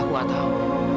aku gak tahu